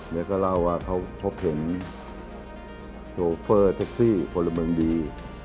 แล้วก็เล่าว่าเขาพบเห็นโชเฟอร์แท็กซี่พลเมืองดี